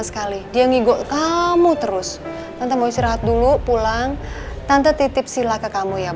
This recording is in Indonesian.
saya anterin kamu pulang ya